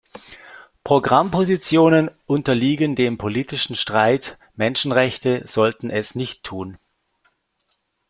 Programmpositionen unterliegen dem politischen Streit Menschenrechte sollten es nicht tun.